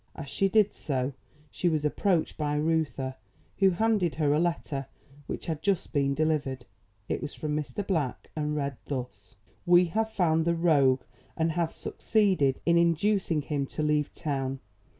As she did so she was approached by Reuther who handed her a letter which had just been delivered. It was from Mr. Black and read thus: We have found the rogue and have succeeded in inducing him to leave town.